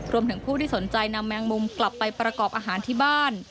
รวมถึงผู้ที่สนใจนำแมงมุมกลับไปประกอบอาหารที่บ้าน